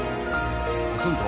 ポツンと？